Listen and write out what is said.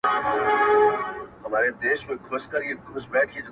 عاشقان د ترقۍ د خپل وطن یو-